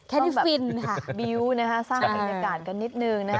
แค่เป็นนิฟินค่ะสร้างเบียลนะคะสร้างอีกอากาศก็นิดนึงนะฮะ